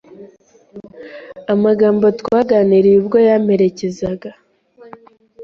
amagambo twaganiriye ubwo yamperekezaga.